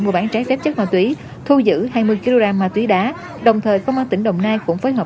mua bán trái phép chất ma túy thu giữ hai mươi kg ma túy đá đồng thời công an tỉnh đồng nai cũng phối hợp